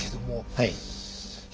はい。